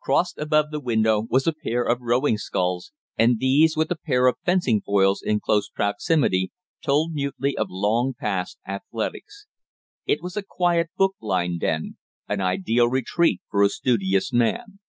Crossed above the window was a pair of rowing sculls, and these, with a pair of fencing foils in close proximity, told mutely of long past athletics. It was a quiet, book lined den, an ideal retreat for a studious man.